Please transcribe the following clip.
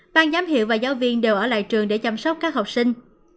ban giám hiệu và giáo viên đều ở lại trường để chăm sóc các học sinh